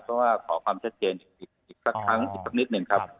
เพราะว่าขอความชัดเจนอีกสักครั้งอีกสักนิดหนึ่งครับ